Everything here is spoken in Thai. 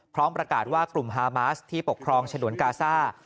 พร้อมประกาศว่ากลุ่มฮามาสที่ปกครองฉนวนกาซ่า